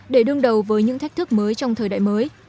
để đương đầu với những thách thức mới trong thời đại mới